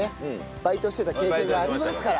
バイトしてた経験がありますから。